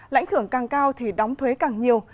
lãnh thưởng càng cao thì đóng thuế càng nhiều